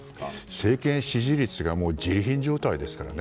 政権支持率がジリ貧状態ですからね。